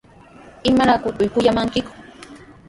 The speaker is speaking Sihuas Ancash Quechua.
¿Imaraykutaq kuyamankiku?